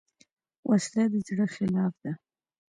وسله د زړه خلاف ده